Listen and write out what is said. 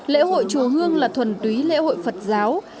lễ hội chùa hương là thuần túy lễ hội phật giáo